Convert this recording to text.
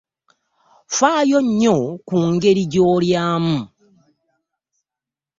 Ffaayo nnyo ku ngeri gy'olyamu.